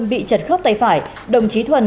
bị chật khớp tay phải đồng chí thuận